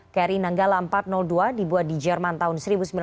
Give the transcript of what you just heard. kri nanggala empat ratus dua dibuat di jerman tahun seribu sembilan ratus sembilan puluh